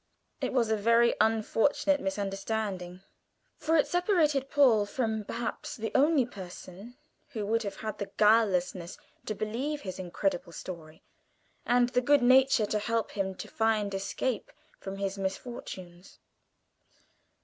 It was a very unfortunate misunderstanding, for it separated Paul from, perhaps, the only person who would have had the guilelessness to believe his incredible story, and the good nature to help him to find escape from his misfortunes.